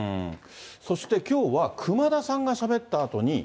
そして、きょうは熊田さんがしゃべったあとに。